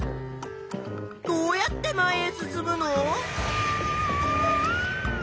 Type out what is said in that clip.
どうやって前へ進むの？